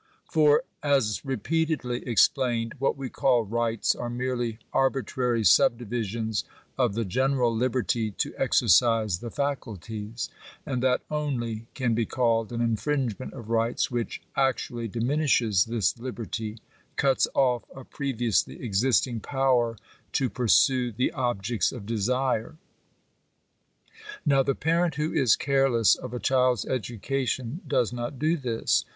For, as re peatedly explained, what we call rights are merely arbitrary subdivisions of the general liberty to exercise the faculties; and that only can be called an infringement of rights which actually diminishes this liberty — cuts off a previously existing power to pursue the objects of desire. Now the parent who is careless of a child's education does not do this.